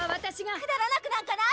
くだらなくなんかない！